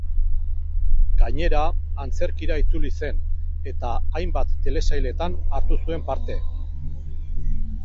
Gainera, antzerkira itzuli zen eta hainbat telesailetan hartu zuen parte.